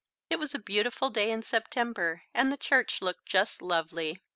It was a beautiful day in September, and the church looked just lovely.